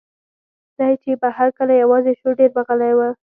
دی چې به هر کله یوازې شو، ډېر به غلی و.